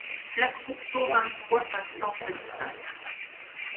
Place Courtaud, vingt-trois, cinq cents Felletin